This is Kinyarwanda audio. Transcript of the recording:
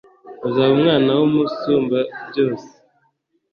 uzaba umwana w’Umusumbabyose,